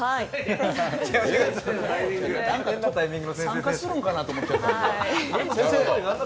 参加するんかなと思っちゃったんで。